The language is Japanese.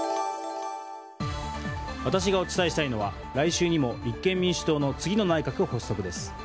私がお伝えしたいのは来週にも立憲民主党の次の内閣発足です。